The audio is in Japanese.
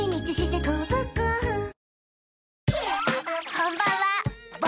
こんばんは僕